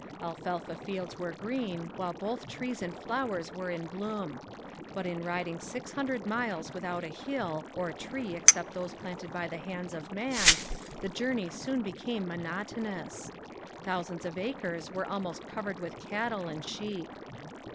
Alfalfa fields were green while both trees and flowers were in bloom. But in riding six hundred miles without a hill, or tree except those planted by the hands of man, the journey soon became monotonous. Thousands of acres were almost covered with cattle and sheep.